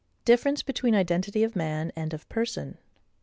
Difference between Identity of Man and of Person.